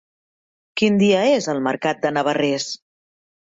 Quin dia és el mercat de Navarrés?